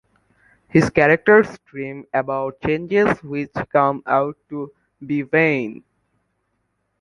His characters dream about changes which come out to be vain.